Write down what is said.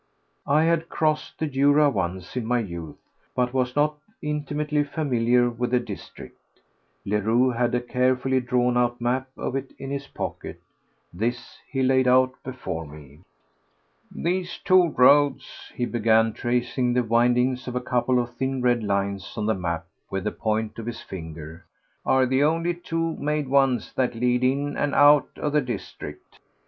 I had crossed the Jura once, in my youth, but was not very intimately familiar with the district. Leroux had a carefully drawn out map of it in his pocket; this he laid out before me. "These two roads," he began, tracing the windings of a couple of thin red lines on the map with the point of his finger, "are the only two made ones that lead in and out of the district.